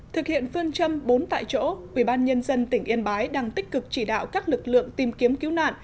thực hiện phương châm bốn tại chỗ ubnd tỉnh yên bái đang tích cực chỉ đạo các lực lượng tìm kiếm cứu nạn